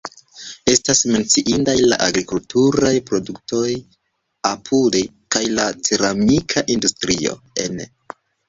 Estas menciindaj la agrikulturaj produktoj (apude) kaj la ceramika industrio (ene).